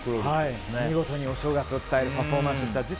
見事にお正月を伝えるパフォーマンスでした。